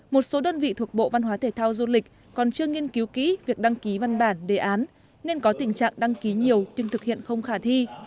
một số đơn vị thuộc bộ văn hóa thể thao du lịch còn chưa nghiên cứu kỹ việc đăng ký văn bản đề án nên có tình trạng đăng ký nhiều nhưng thực hiện không khả thi